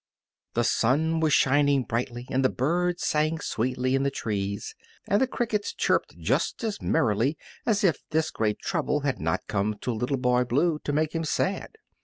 The sun was shining brightly, and the birds sang sweetly in the trees, and the crickets chirped just as merrily as if this great trouble had not come to Little Boy Blue to make him sad.